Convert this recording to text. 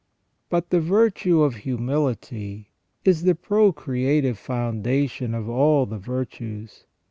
389 But the virtue of humility is the procreative foundation of all the virtues.